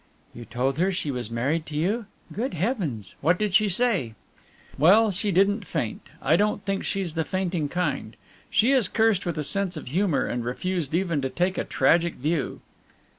"You told her she was married to you? Good heavens! What did she say?" "Well, she didn't faint, I don't think she's the fainting kind. She is cursed with a sense of humour, and refused even to take a tragic view."